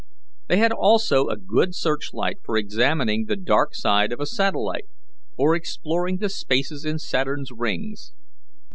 They had also a good search light for examining the dark side of a satellite, or exploring the spaces in Saturn's rings.